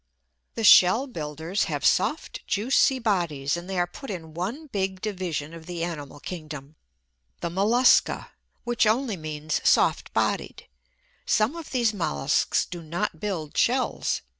The shell builders have soft, juicy bodies, and they are put in one big division of the animal kingdom the mollusca, which only means soft bodied. Some of these molluscs do not build shells.